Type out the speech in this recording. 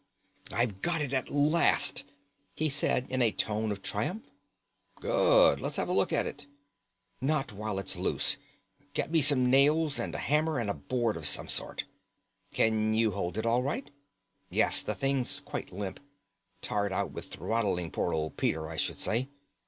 "I've got it at last," he said in a tone of triumph. "Good; let's have a look at it." "Not when it's loose. Get me some nails and a hammer and a board of some sort." "Can you hold it all right?" "Yes, the thing's quite limp; tired out with throttling poor old Peter, I should say."